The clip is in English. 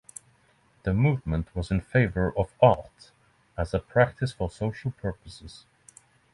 The movement was in favour of art as a practice for social purposes.